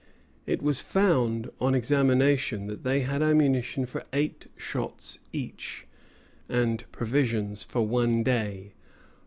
It was found, on examination, that they had ammunition for eight shots each, and provisions for one day.